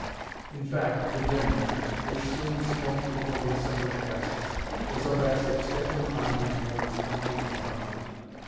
In fact, the dinner, which soon smoked before the assembled guests, was of that substantial kind which warrants plenty and comfort.